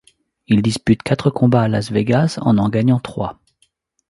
Il dispute quatre combats à Las Vegas, en en gagnant trois.